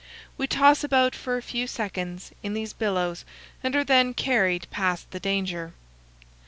We toss about for a few seconds in these billows and are then carried past the danger.